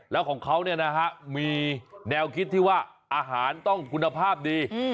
แล้วของเขาเนี่ยนะฮะมีแนวคิดที่ว่าอาหารต้องคุณภาพดี